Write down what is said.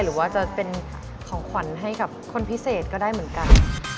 หรือว่าจะเป็นของขวัญให้กับคนพิเศษก็ได้เหมือนกัน